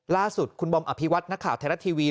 ล่าสุดคุณบอมอภิวัตนักข่าวไทยรัฐทีวี